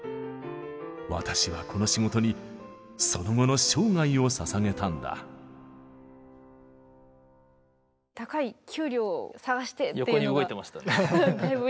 私はこの仕事にその後の生涯をささげたんだ横に動いてましたね。